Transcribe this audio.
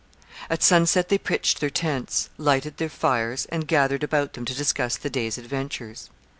At sunset they pitched their tents, lighted their fires, and gathered about them to discuss the day's adventures.